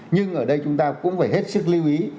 nhưng ở đây chúng ta cũng phải hết sức lưu ý